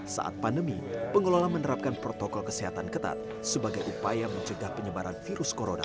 saat pandemi pengelola menerapkan protokol kesehatan ketat sebagai upaya mencegah penyebaran virus corona